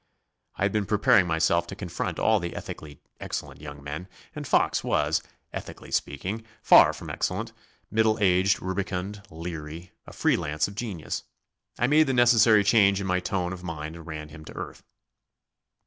I had been preparing myself to confront all the ethically excellent young men and Fox was, ethically speaking, far from excellent, middle aged, rubicund, leery a free lance of genius. I made the necessary change in my tone of mind and ran him to earth.